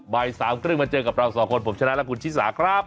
บ่ายสามครึ่งมาเจอกับเราสองคนผมชนะและคุณชิสาครับ